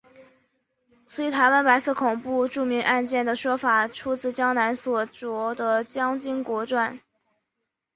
此一台湾白色恐怖著名案件的说法出自江南所着的蒋经国传。